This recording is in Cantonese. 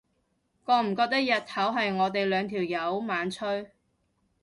覺唔覺日頭係得我哋兩條友猛吹？